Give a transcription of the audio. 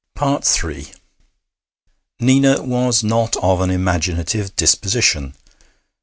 III Nina was not of an imaginative disposition.